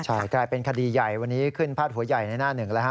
ใช่กลายเป็นคดีใหญ่วันนี้ขึ้นพาดหัวใหญ่ในหน้าหนึ่งแล้วฮ